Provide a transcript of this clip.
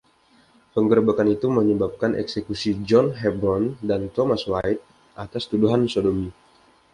Penggerebekan itu menyebabkan eksekusi John Hepburn dan Thomas White atas tuduhan sodomi.